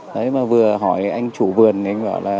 đấy mà vừa hỏi anh chủ vườn thì anh bảo là